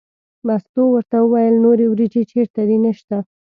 مستو ورته وویل نورې وریجې چېرته دي نشته.